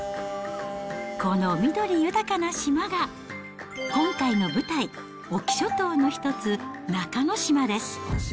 この緑豊かな島が、今回の舞台、隠岐諸島の一つ、中ノ島です。